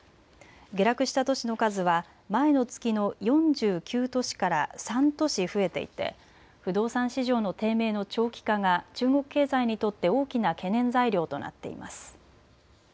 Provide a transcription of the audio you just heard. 下落した都市の数は前の月の４９都市から３都市増えていて不動産市場の低迷の長期化が中国経済にとって大きな懸念材料となっています。